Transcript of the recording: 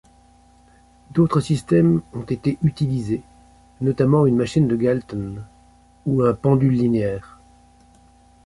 D'autres systèmes ont été utilisés, notamment une machine de Galton, ou un pendule linéaire...